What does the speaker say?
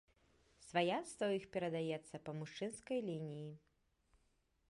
Сваяцтва ў іх перадаецца па мужчынскай лініі.